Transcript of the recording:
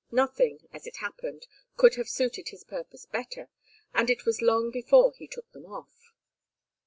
Nothing, as it happened, could have suited his purpose better, and it was long before he took them off.